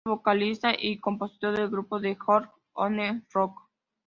Es el vocalista y compositor del grupo de j-rock One Ok Rock.